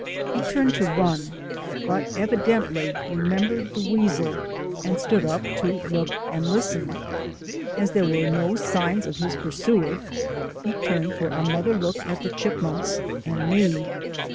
He turned to run, but evidently remembered the weasel, and stood up to look and listen. As there were no signs of his pursuer he turned for another look at the chipmunks and me.